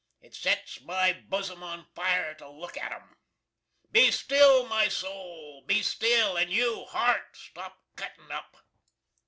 It sets my Buzzum on fire to look at 'em. Be still, my sole, be still, & you, Hart, stop cuttin up!